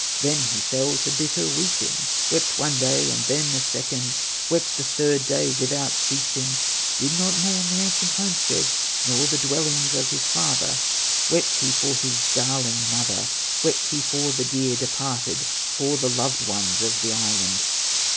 Then he fell to bitter weeping, Wept one day and then a second, Wept the third day without ceasing; Did not mourn the ancient homestead, Nor the dwellings of his father; Wept he for his darling mother, Wept he for the dear departed, For the loved ones of the island.